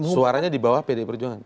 suaranya di bawah pdi perjuangan